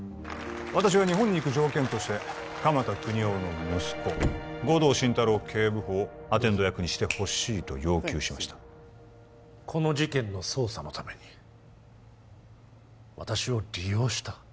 私は日本に行く条件として鎌田國士の息子護道心太朗警部補をアテンド役にしてほしいと要求しましたこの事件の捜査のために私を利用した？